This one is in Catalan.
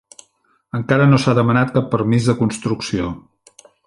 Encara no s'ha demanat cap permís de construcció.